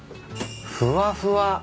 ふわふわ。